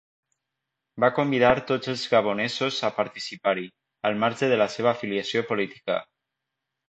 Va convidar tots els gabonesos a participar-hi, al marge de la seva afiliació política.